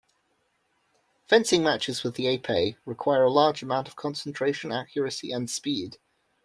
Fencing matches with the épée require a large amount of concentration, accuracy and speed.